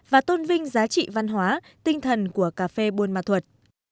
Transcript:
và tôn vinh giá trị văn hóa tinh thần của cà phê buôn ma thuật